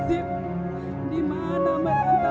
memang terlalu banyak